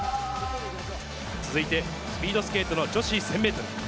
続いて、スピードスケートの女子１０００メートル。